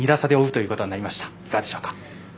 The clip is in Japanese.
いかがでしょうか。